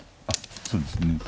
あっそうですね